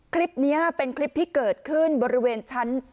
คลิปนี้เป็นคลิปที่เกิดขึ้นบริเวณชั้น